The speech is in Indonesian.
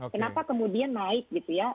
kenapa kemudian naik gitu ya